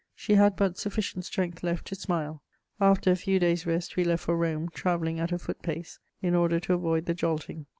She had but sufficient strength left to smile. After a few days' rest, we left for Rome, travelling at a foot pace, in order to avoid the jolting.